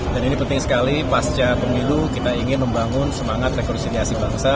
dan ini penting sekali pasca pemilu kita ingin membangun semangat rekursi di asing bangsa